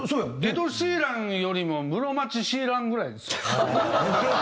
エド・シーランよりもムロマチ・シーランぐらいですよ。